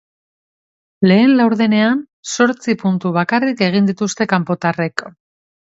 Lehen laurdenean zortzi puntu bakarrik egin dituzte kanpotarrek.